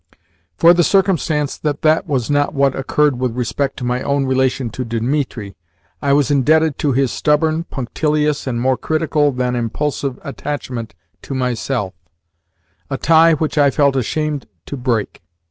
For the circumstance that that was not what occurred with respect to my own relation to Dimitri, I was indebted to his stubborn, punctilious, and more critical than impulsive attachment to myself a tie which I felt ashamed to break.